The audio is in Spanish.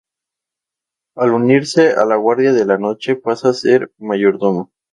Al unirse a la Guardia de la Noche pasa a ser mayordomo.